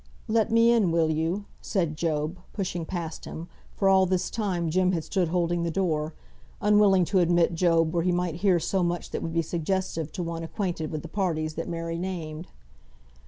"Let me in, will you?" said Job, pushing past him, for all this time Jem had stood holding the door, unwilling to admit Job where he might hear so much that would be suggestive to one acquainted with the parties that Mary named.